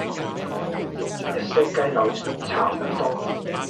日式雞柳炒烏冬